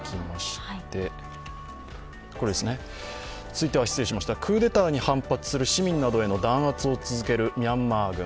続いては、クーデターに反発する市民などへの弾圧を続けるミャンマー軍。